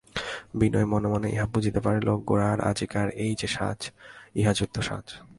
বিনয় মনে মনে ইহা বুঝিতে পারিল, গোরার আজিকার এই-যে সাজ ইহা যুদ্ধসাজ।